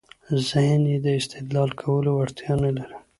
ذهن يې د استدلال کولو وړتیا نلري.